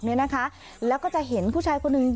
เนี่ยนะคะแล้วก็จะเห็นผู้ชายคนหนึ่ง